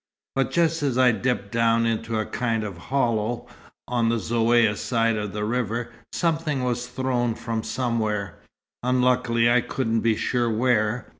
But just as I dipped down into a kind of hollow, on the Zaouïa side of the river, something was thrown from somewhere. Unluckily I couldn't be sure where.